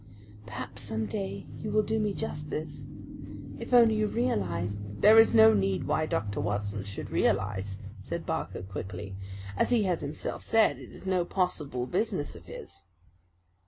"Perhaps some day you will do me justice. If you only realized " "There is no need why Dr. Watson should realize," said Barker quickly. "As he has himself said, it is no possible business of his."